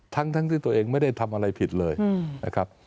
ทั้งที่ตัวเองไม่ได้ทำอะไรผิดเลยนะครับ